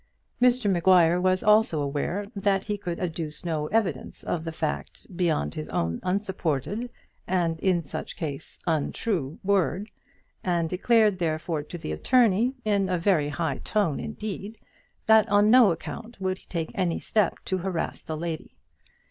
Mr Maguire was also aware that he could adduce no evidence of the fact beyond his own unsupported, and, in such case, untrue word, and declared therefore to the attorney, in a very high tone indeed, that on no account would he take any step to harass the lady.